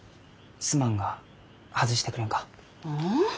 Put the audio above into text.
すまんが外してくれんか？